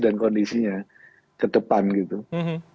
yang artinya kemudian di luar itu golkar dan pkb bisa membentuk yang lain